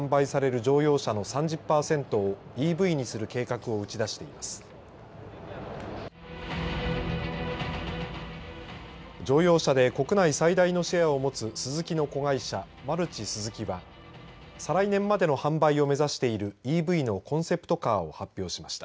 乗用車で国内最大のシェアを持つスズキの子会社マルチ・スズキは再来年までの販売を目指しているＥＶのコンセプトカーを発表しました。